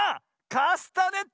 カスタネット！